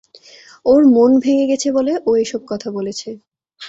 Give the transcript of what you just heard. ওর মন ভেঙে গেছে বলে ও এসব কথা বলেছে।